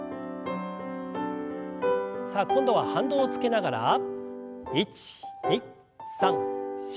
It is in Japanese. さあ今度は反動をつけながら。